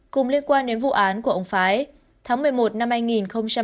cùng liên quan đến vụ án của ông phái tháng một mươi một năm hai nghìn hai mươi